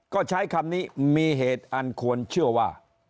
ก็ใช้คำนี้มีเหตุอันควรเชื่อว่า